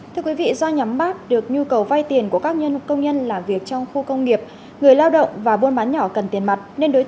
thưa quý vị do nhắm bát được nhu cầu vay tiền của các công nhân làm việc trong khu công nghiệp người lao động và buôn bán nhỏ cần tiền mặt